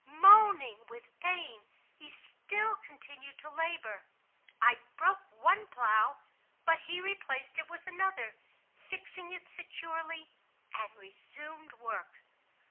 Moaning with pain, he still continued to labor. I broke one plow, but he replaced it with another, fixing it securely, and resumed work.